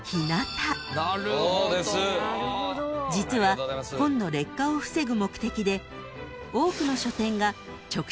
［実は本の劣化を防ぐ目的で多くの書店が］